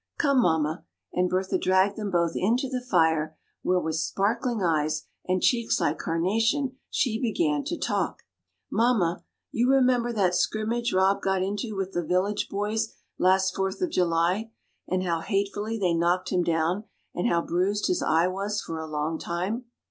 Come, mamma;" and Bertha dragged them both in to the fire, where, with sparkling eyes and cheeks like carnation, she began to talk: "Mamma, you remember that scrimmage Rob got into with the village boys last Fourth of July, and how hatefully they knocked him down, and how bruised his eye was for a long time?"